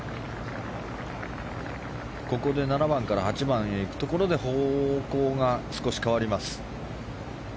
７番から８番へ行くところで方向が少し変わります。